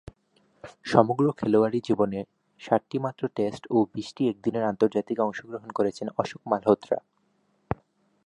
সমগ্র খেলোয়াড়ী জীবনে সাতটিমাত্র টেস্ট ও বিশটি একদিনের আন্তর্জাতিকে অংশগ্রহণ করেছেন অশোক মালহোত্রা।